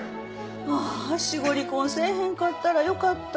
ああ死後離婚せえへんかったらよかった。